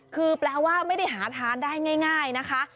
คือแปลว่าไม่ได้หาทานได้ง่ายนะคะ